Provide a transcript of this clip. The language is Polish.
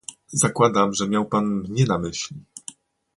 Zakładam, że miał pan mnie na myśli